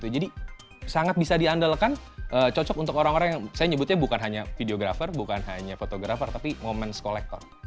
jadi sangat bisa diandalkan cocok untuk orang orang yang saya nyebutnya bukan hanya videographer bukan hanya photographer tapi momen kolektor